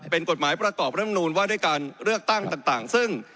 เป็นกฎหมายประกอบรัฐมนูนว่าด้วยการเลือกตั้งต่างซึ่ง